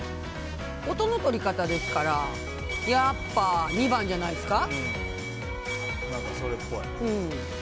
音の取り方ですからやっぱ、２番じゃないですか。